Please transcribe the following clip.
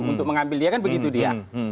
untuk mengambil dia kan begitu dia